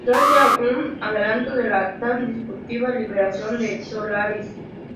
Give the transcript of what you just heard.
Quizás sea un adelanto de la tan discutida liberación de Solaris.